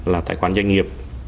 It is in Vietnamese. là tài khoản doanh nghiệp